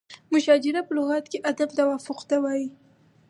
مشاجره په لغت کې عدم توافق ته وایي.